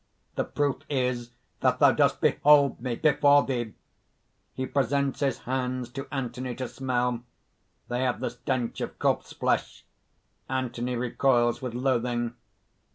The proof is that thou dost behold me before thee!" (_He presents his hands to Anthony to smell. They have the stench of corpse flesh. Anthony recoils with loathing.